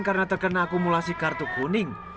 karena terkena akumulasi kartu kuning